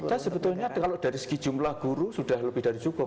saya sebetulnya kalau dari segi jumlah guru sudah lebih dari cukup